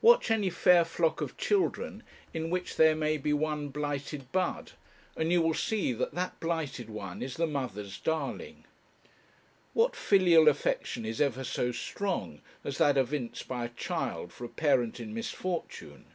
Watch any fair flock of children in which there may be one blighted bud, and you will see that that blighted one is the mother's darling. What filial affection is ever so strong as that evinced by a child for a parent in misfortune?